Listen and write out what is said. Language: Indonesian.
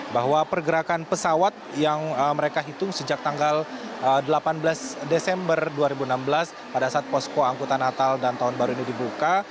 bahwa pergerakan pesawat yang mereka hitung sejak tanggal delapan belas desember dua ribu enam belas pada saat posko angkutan natal dan tahun baru ini dibuka